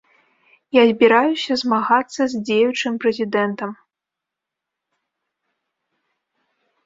Я збіраюся змагацца з дзеючым прэзідэнтам.